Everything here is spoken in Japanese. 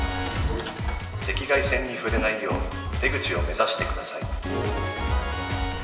赤外線に触れないよう出口を目指してください。